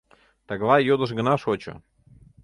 Тыглай йодыш гына шочо: